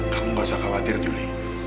kamu gak usah khawatir juli